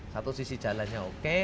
satu sisi jalannya oke